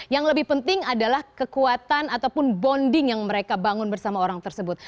yang lebih penting adalah kekuatan ataupun bonding yang mereka bangun bersama orang tersebut